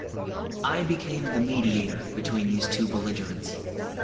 I became the mediator between these two belligerents.